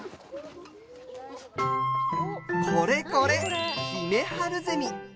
これこれ、ヒメハルゼミ。